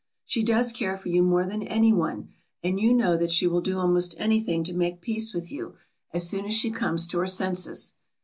She does care for you more than anyone and you know that she will do almost anything to make peace with you as soon as she comes to her senses.